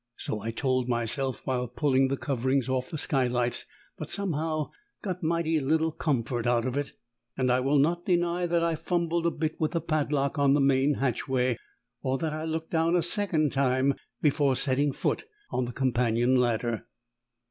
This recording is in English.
So I told myself while pulling the coverings off the skylights, but somehow got mighty little comfort out of it; and I will not deny that I fumbled a bit with the padlock on the main hatchway, or that I looked down a second time before setting foot on the companion ladder.